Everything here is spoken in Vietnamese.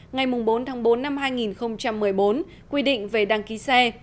ngày bốn tháng bốn năm hai nghìn một mươi bốn quy định về đăng ký xe